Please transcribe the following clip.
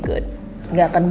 gapain masuk guarda sp